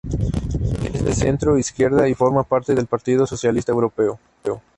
Es de centro-izquierda y forma parte del Partido Socialista Europeo.